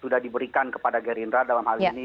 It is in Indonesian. sudah diberikan kepada gerindra dalam hal ini